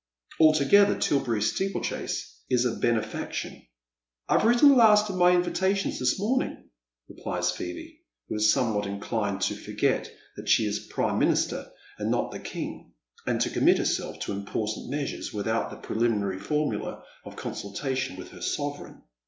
Altogether Tilberry steeplechase is a benefaction. "I've wi itten the last of my invitations this morning," replies Phoebe, who is somewhat inclined to forget that she is prime minister and not the king, and to commit herself to important lAeasures without the prehminary formula of consultation with her sovereign.